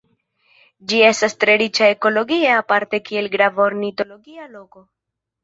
Ĝi estas tre riĉa ekologie aparte kiel grava ornitologia loko.